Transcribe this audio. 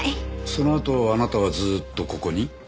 そのあとあなたはずっとここに？